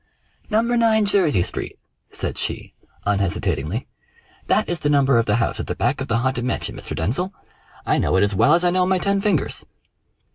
"No. 9 Jersey Street," said she, unhesitatingly; "that is the number of the house at the back of the haunted mansion, Mr. Denzil. I know it as well as I know my ten fingers."